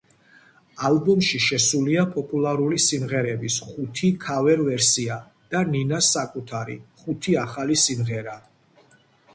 ალბომში შესულია პოპულარული სიმღერების ხუთი ქავერ-ვერსია და ნინას საკუთარი, ხუთი ახალი სიმღერა.